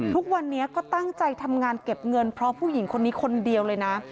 ทุกวันนี้ก็ตั้งใจทำงานเก็บเงินเพราะผู้หญิงคนนี้คนเดียวเลยนะ